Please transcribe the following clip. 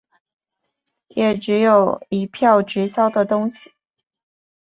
也只有一票直销的东西